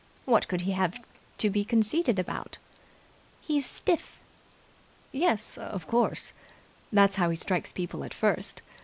What could he have to be conceited about?" "He's stiff." "Yes, of course, that's how he strikes people at first.